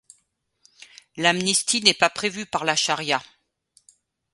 L’amnistie n’est pas prévue par la charia.